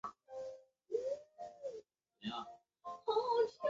长穗桦是桦木科桦木属的植物。